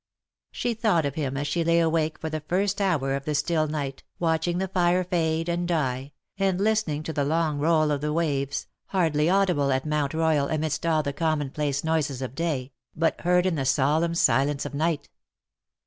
She thought of him as she lay awake for the first hour of the still night, watching the fire fade and die, and listening to the long roll of the waves, hardly audible at Mount Royal amidst all the common place noises of day, but heard in the solemn silence of night.